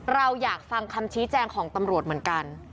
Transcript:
เราอยากฟังคำชี้แจงของตำรวจเหมือนกัน